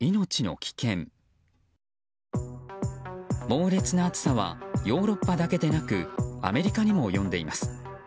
猛烈な暑さはヨーロッパだけでなくアメリカにも及んでいます。